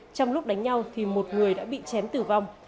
trong lúc đánh nhau thì một người đã bị chém tử vong